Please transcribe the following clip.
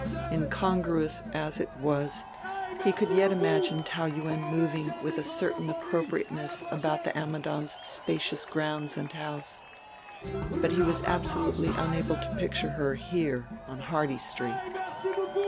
Incongruous as it was he could yet imagine Taou Yuen moving with a certain appropriateness about the Ammidons' spacious grounds and house; but he was absolutely unable to picture her here, on Hardy Street.